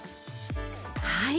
はい。